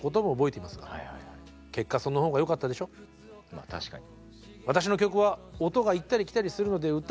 まあ確かに。